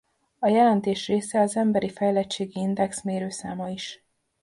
A Jelentés része az Emberi fejlettségi index mérőszáma is.